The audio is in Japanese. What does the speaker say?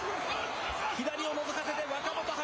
左をのぞかせて若元春。